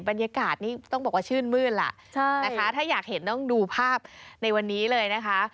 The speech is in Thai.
บรรยากาศนี่ต้องบอกว่าชื่นมื้นล่ะนะคะถ้าอยากเห็นต้องดูภาพในวันนี้เลยนะคะ